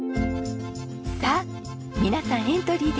さあ皆さんエントリーです。